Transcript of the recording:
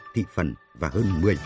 thị phần và hơn một mươi